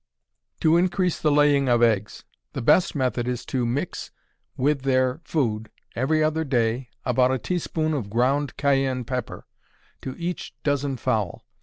To Increase the Laying of Eggs. The best method is to mix with their food, every other day, about a teaspoon of ground cayenne pepper to each dozen fowl.